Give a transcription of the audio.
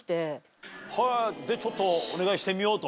へぇでちょっとお願いしてみようと？